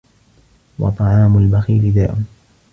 وَطَعَامُ الْبَخِيلِ دَاءٌ